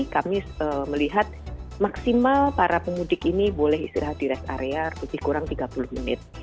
kami melihat maksimal para pemudik ini boleh istirahat di rest area lebih kurang tiga puluh menit